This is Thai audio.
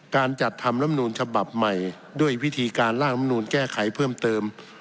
การจัดทำลำนูลฉบับใหม่ด้วยวิธีการล่างลำนูลแก้ไขเพิ่มเติม